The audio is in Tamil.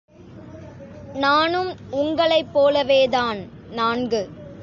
நானும் உங்களைப்போலவேதான் நான்கு.